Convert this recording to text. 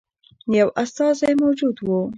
یو استازی موجود وو.